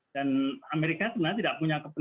dan amerika sebenarnya tidak punya kekuatan